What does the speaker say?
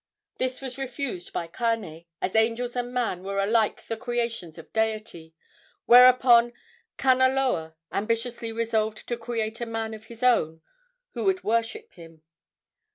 This was refused by Kane, as angels and man were alike the creations of Deity, whereupon Kanaloa ambitiously resolved to create a man of his own who would worship him.